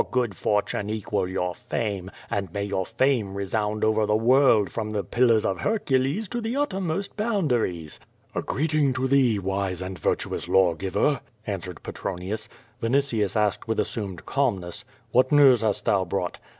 119 good fortune equal your fame, and may your fame resound over the world from the pillars of Hercules to the uttermost boundaries.'^ "A greeting to thee, wise and virtuous law giver," answer ed Petronius. Vinitius asked with assumed calmness, "What news hast thou brought?"